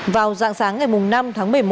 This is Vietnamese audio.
vào dạng sáng ngày năm tháng một mươi một